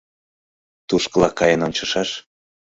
Тушкыла каен ончышаш.